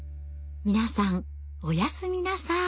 皆さんおやすみなさい。